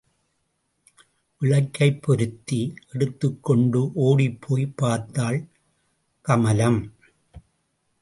விளக்கைப் பொருத்தி எடுத்துக் கொண்டு ஒடிப்போய் பார்த்தாள் கமலம்.